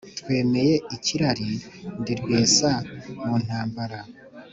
Twemeye ikirari ndi rwesa mu ntambara